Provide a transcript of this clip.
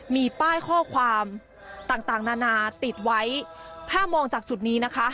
มีป้ายข้อความต่างนานาติดไว้ถ้ามองจากจุดนี้นะคะ